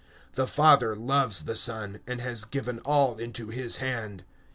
(35)The Father loves the Son, and has given all things into his hand.